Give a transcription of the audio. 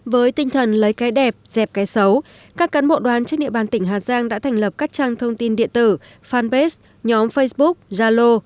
với tinh thần lấy cái đẹp dẹp cái xấu các cán bộ đoàn trên địa bàn tỉnh hà giang đã thành lập các trang thông tin điện tử fanpage nhóm facebook zalo